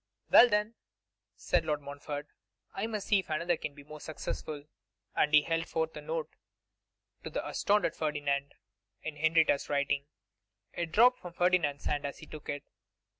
'Well, then,' said Lord Montfort, 'I must see if another can be more successful,' and he held forth a note to the astounded Ferdinand, in Henrietta's writing. It dropped from Ferdinand's hand as he took it.